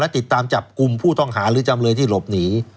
ติดตามจับกลุ่มผู้ต้องหาหรือจำเลยที่หลบหนี